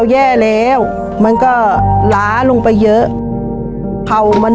ชีวิตหนูเกิดมาเนี่ยอยู่กับดิน